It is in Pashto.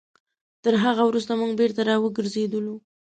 تر هغه وروسته موږ بېرته راوګرځېدلو.